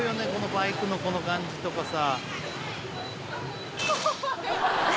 バイクのこの感じとかさ。